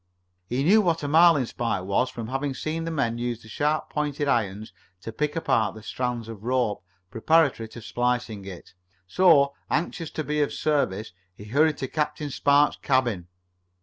He knew what a marlinspike was from having seen the men use the sharp pointed irons to pick apart the strands of rope preparatory to splicing, so, anxious to be of service, he hurried to Captain Spark's cabin.